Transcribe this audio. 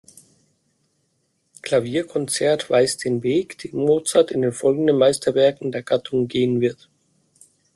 Klavierkonzert weist den Weg, den Mozart in den folgenden Meisterwerken der Gattung gehen wird.